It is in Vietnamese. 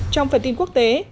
trong phần tin quốc tế